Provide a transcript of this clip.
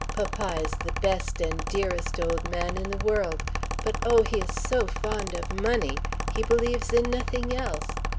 Papa is the best and dearest old man in the world; but oh, he is so fond of money! He believes in nothing else.